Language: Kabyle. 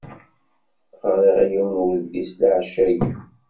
Ɣriɣ yiwen n wedlis leɛca-ayyi.